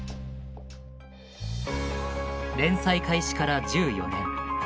連載開始から１４年。